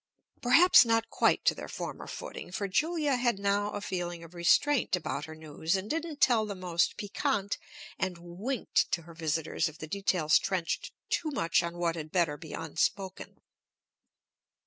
Perhaps not quite to their former footing, for Julia had now a feeling of restraint about her news, and didn't tell the most piquant, and winked to her visitors if the details trenched too much on what had better be unspoken.